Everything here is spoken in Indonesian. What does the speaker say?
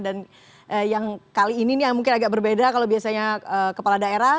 dan yang kali ini mungkin agak berbeda kalau biasanya kepala daerah